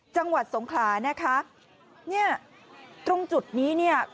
จังหวัดสงขลานะคะเนี่ยตรงจุดนี้เนี่ย